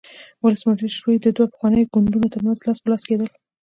ولسمشري د دوو پخوانیو ګوندونو ترمنځ لاس په لاس کېدل.